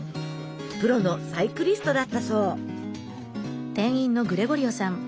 プロのサイクリストだったそう。